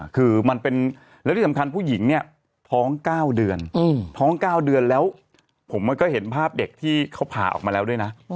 คือมันเป็นแล้วที่สำคัญผู้หญิงเนี่ยท้อง๙เดือนท้อง๙เดือนแล้วผมมันก็เห็นภาพเด็กที่เขาผ่าออกมาแล้วด้วยนะ